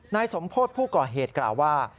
นายสมโพธิผู้ก่อเหตุกล่าวว่า